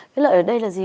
cái lợi ở đây là gì